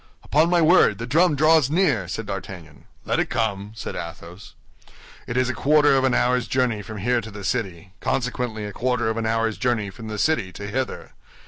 "Upon my word, the drum draws near," said D'Artagnan. "Let it come," said Athos. "It is a quarter of an hour's journey from here to the city, consequently a quarter of an hour's journey from the city to hither.